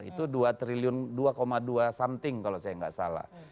itu dua triliun dua dua something kalau saya nggak salah